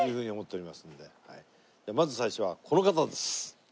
まず最初はこの方です。